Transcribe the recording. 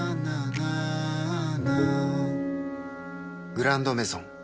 「グランドメゾン」